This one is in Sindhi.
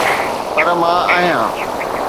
پر مان آهيان.